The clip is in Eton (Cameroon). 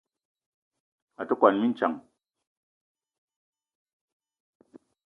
A te kwuan mintsang.